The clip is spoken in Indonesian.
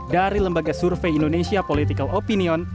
dari lembaga survei indonesia political opinion